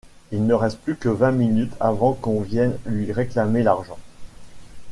Il ne lui reste plus que vingt minutes avant qu'on vienne lui réclamer l'argent.